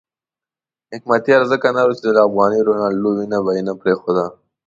حکمتیار ځکه نر وو چې د افغاني روڼاندو وینه به یې نه پرېښوده.